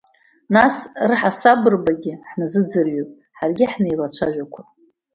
Нас раҳасабрбагьы ҳназыӡырҩып, ҳаргьы ҳнеилацәажәақәап…